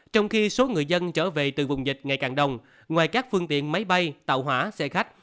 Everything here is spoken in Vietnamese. trong khi số người dân trở về từ vùng dịch ngày càng đông ngoài các phương tiện máy bay tàu hỏa xe khách